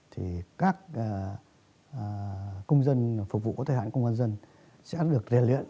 thì các công dân phục vụ có thời hạn công an dân sẽ được liên luyện